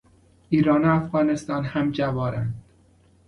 ایران و افغانستان همجوارند.